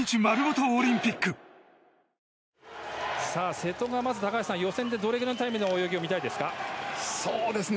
瀬戸が高橋さん予選でどれくらいのタイムの泳ぎを見たいですか？